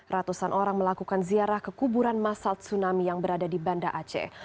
ratusan orang melakukan ziarah ke kuburan masal tsunami yang berada di banda aceh